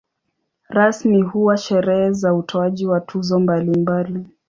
Rasmi huwa sherehe za utoaji wa tuzo mbalimbali.